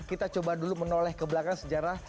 kita coba dulu menoleh ke belakang sejarah